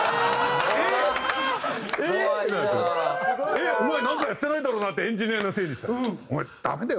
「えっ！お前なんかやってないだろうな？」ってエンジニアのせいにしたり。